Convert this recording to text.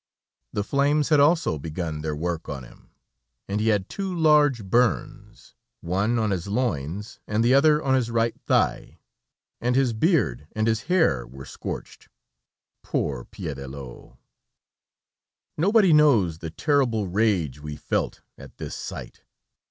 The flames had also begun their work on him, and he had two large burns, one on his loins, and the other on his right thigh, and his beard and his hair were scorched. Poor Piédelot! Nobody knows the terrible rage we felt at this sight!